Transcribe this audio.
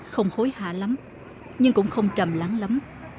không hối hạ lắm nhưng cũng không trầm lắng lắm